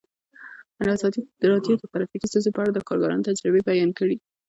ازادي راډیو د ټرافیکي ستونزې په اړه د کارګرانو تجربې بیان کړي.